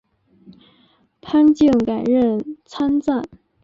潘靖改任参赞。